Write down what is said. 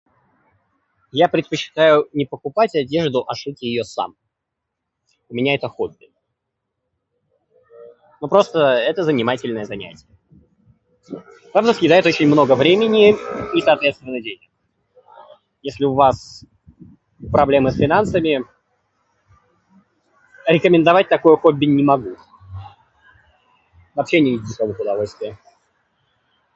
Я предпочитаю не покупать одежду, а шить её сам. У меня это хобби. Ну, просто это занимательное занятие. Правда, съедает очень много времени и, соответственно, денег. Если у вас проблемы с финансами, рекомендовать такое хобби не могу. Вообще не из дешёвых удовольствие.